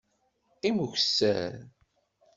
Qqim ukessar!